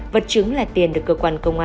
vật chứng là tiền được cơ quan công nghiệp